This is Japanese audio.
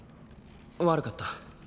悪かった。